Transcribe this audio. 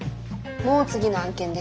もう次の案件ですか？